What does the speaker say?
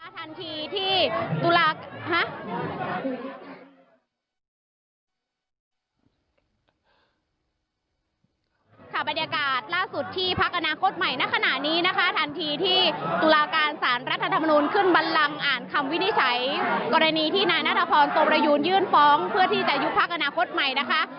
ฟรรณาแววแต่งที่นายนาฏภพรโตมรยุนยื่นฟ้องเพื่อที่จะยุบพักอนาคตใหม่นะคะ